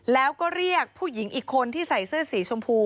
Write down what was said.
แล้วก็เรียกผู้หญิงอีกคนที่ใส่เสื้อสีชมพู